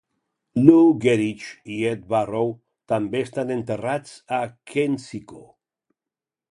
Lou Gehrig i Ed Barrow també estan enterrats a Kensico.